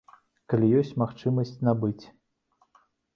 Калі ёсць магчымасць набыць.